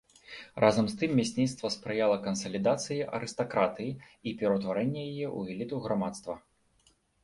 Разам з тым месніцтва спрыяла кансалідацыі арыстакратыі і ператварэнню яе ў эліту грамадства.